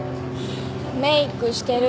メークしてる。